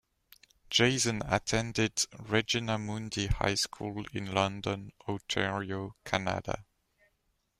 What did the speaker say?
Jason attended Regina Mundi High School in London Ontario, Canada.